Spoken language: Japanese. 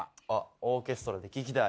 オーケストラで聴きたい。